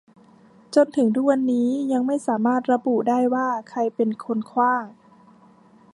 จนถึงทุกวันนี้ยังไม่สามารถระบุได้ว่าใครเป็นคนขว้าง